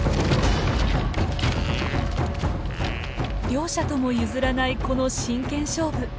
両者とも譲らないこの真剣勝負。